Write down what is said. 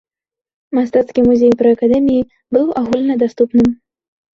Мастацкі музей пры акадэміі быў агульнадаступным.